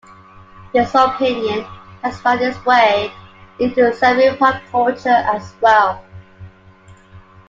This opinion has found its way into Serbian pop culture as well.